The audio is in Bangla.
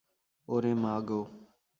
ওরে মা গো!